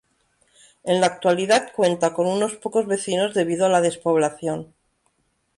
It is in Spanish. En la actualidad cuenta con unos pocos vecinos debido a la despoblación.